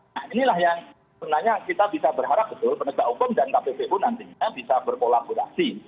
nah inilah yang sebenarnya kita bisa berharap betul penegak hukum dan kppu nantinya bisa berkolaborasi